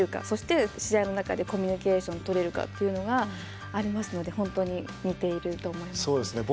そして試合の中でコミュニケーションを取れるかというのがありますので本当に似てると思います。